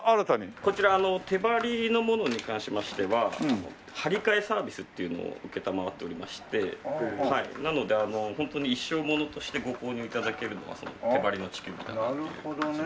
こちら手貼りのものに関しましては貼り替えサービスっていうのを承っておりましてなのでホントに一生ものとしてご購入頂けるのは手貼りの地球儀だなっていう感じで。